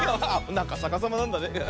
さかさまなんだね。